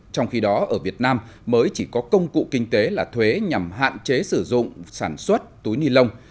trong khi đó ở việt nam mới chỉ có công cụ kinh tế là thuế nhằm hạn chế sử dụng sản xuất túi ni lông